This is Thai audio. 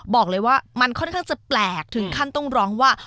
บอกเลยว่ามันค่อนข้างจะแปลกถึงขั้นต้องร้องว่า